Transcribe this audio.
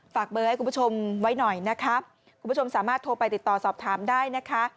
ฝากเบอร์ให้คุณผู้ชมไว้หน่อยนะคะคุณผู้ชมสามารถโทรไปติดต่อสอบถามได้นะคะ